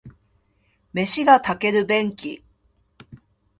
飯が炊ける便器